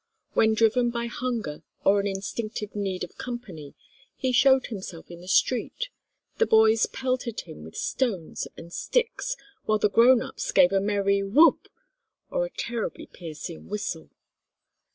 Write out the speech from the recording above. When driven by hunger or an instinctive need of company, he showed himself in the street, the boys pelted him with stones and sticks, while the grown ups gave a merry whoop, or a terribly piercing whistle.